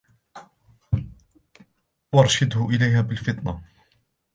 وَأَرْشَدَهُ إلَيْهَا بِالْفَطِنَةِ